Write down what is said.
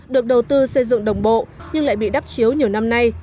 được đầu tư xây dựng đồng bộ nhưng lại bị đắp chiếu nhiều năm nay